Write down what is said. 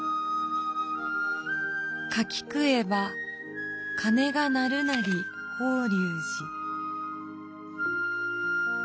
「柿くえば鐘が鳴るなり法隆寺」。